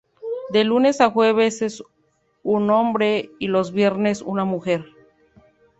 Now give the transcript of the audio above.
De lunes a jueves es un hombre, y los viernes una mujer.